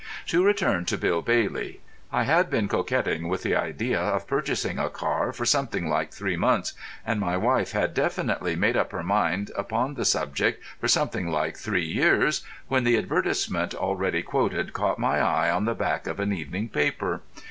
To return to Bill Bailey. I had been coquetting with the idea of purchasing a car for something like three months, and my wife had definitely made up her mind upon the subject for something like three years, when the advertisement already quoted caught my eye on the back of an evening paper.